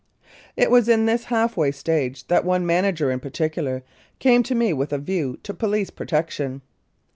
It was in this half way stage that one manager in particular came to me with a view to police protection.